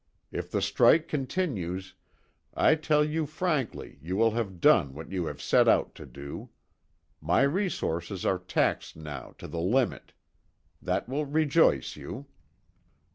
If the strike continues I tell you frankly you will have done what you set out to do. My resources are taxed now to the limit. That will rejoice you."